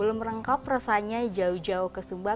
belum lengkap rasanya jauh jauh ke sumba